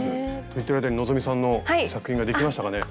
と言ってる間に希さんの作品ができましたかね。